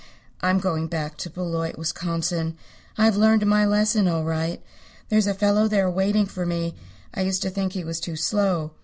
I'm going back to Beloit, Wisconsin. I've learned my lesson all right. There's a fellow there waiting for me. I used to think he was too slow.